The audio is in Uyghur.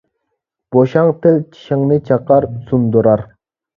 بوشاڭ تىل چىشىڭنى چاقار - سۇندۇرار.